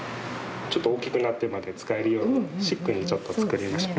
ちょっと大きくなってまで使えるようにシックにちょっと作りました。